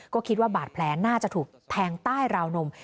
ก็คิดว่าบาดแผลน่าจะถูกแทงใต้ราวนม